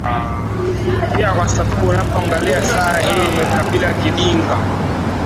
pia kwa sababu unapoangalia saa hii kabila kidinga